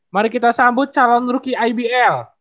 mari kita sambut calon rookie ibl